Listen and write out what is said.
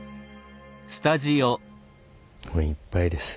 もういっぱいです。